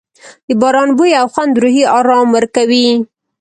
د باران بوی او خوند روحي آرام ورکوي.